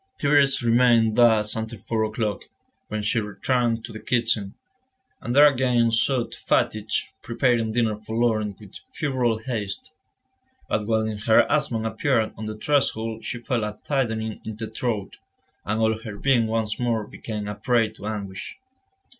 Thérèse remained thus until four o'clock, when she returned to the kitchen, and there again sought fatigue, preparing dinner for Laurent with febrile haste. But when her husband appeared on the threshold she felt a tightening in the throat, and all her being once more became a prey to anguish.